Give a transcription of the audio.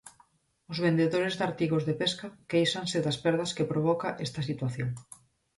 Os vendedores de artigos de pesca quéixanse das perdas que provoca esta situación.